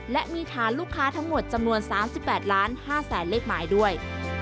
และมีฐานลูกค้าทั้งหมดจำนวน๓๘ล้าน๕แสนเลขหมายด้วย